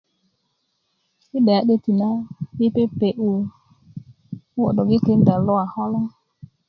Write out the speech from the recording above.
yi' 'de'ya 'döti na yi pepe'yu koo 'dok yi tikinda luwa koloŋ